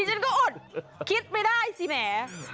ฉันก็อดคิดไม่ได้สิแหม